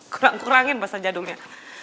kurang kurangin bahasa jadulnya